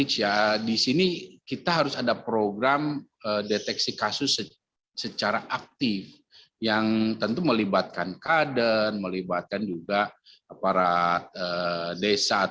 pada tahap isolasi atau karantina